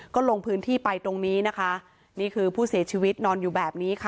ก็ลงพื้นที่ไปตรงนี้นะคะนี่คือผู้เสียชีวิตนอนอยู่แบบนี้ค่ะ